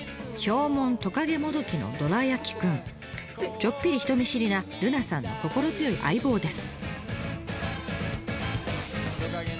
ちょっぴり人見知りな瑠奈さんの心強い相棒です。